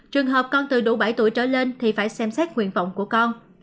trường hợp con từ đủ bảy tuổi trở lên thì phải xem xét nguyện vọng của con